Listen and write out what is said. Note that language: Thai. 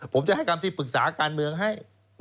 ผมจะให้คำที่ปรึกษาการเมืองให้